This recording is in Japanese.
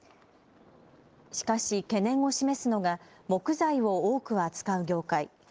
しかし、懸念を示すのが木材を多く扱う業界。